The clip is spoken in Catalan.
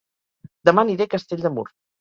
Dema aniré a Castell de Mur